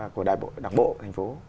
của đảng bộ thành phố